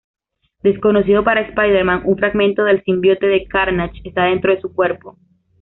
Desconocido para Spider-Man, un fragmento del simbionte de Carnage está dentro de su cuerpo.